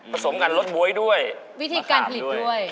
สมกันรสบ๊วยด้วยวิธีการผลิตด้วย